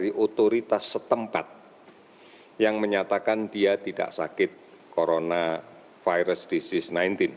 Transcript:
jadi kita harus mencari otoritas setempat yang menyatakan dia tidak sakit coronavirus disease sembilan belas